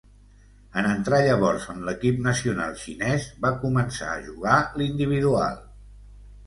En entrar llavors en l'equip nacional xinès, va començar a jugar l'individual.